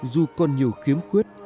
dù còn nhiều khiếm khuyết